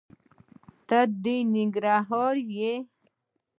دته د ننګرهار یې؟